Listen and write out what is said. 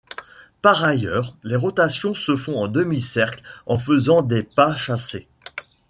Par ailleurs, les rotations se font en demi-cercle en faisant des pas chassés.